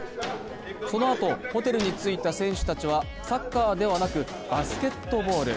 そのあとホテルに着いた選手たちはサッカーではなくバスケットボール。